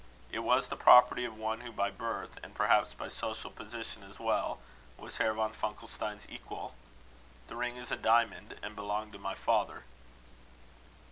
It was the property of one who by birth, and perhaps by social position as well, was Herr von Funkelstein's equal. The ring is a diamond, and belonged to my father."